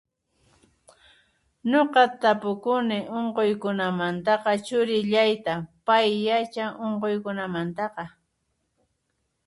Noqa tapukuni onkoykunamantaqa churillayta pay yachan onkoykunamantaqa